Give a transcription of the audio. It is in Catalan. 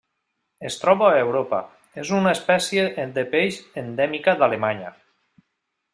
Es troba a Europa: és una espècie de peix endèmica d'Alemanya.